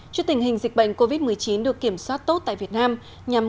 trước tình hình dịch bệnh covid một mươi chín được kiểm soát tốt tại việt nam nhằm